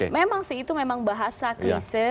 memang sih itu memang bahasa klise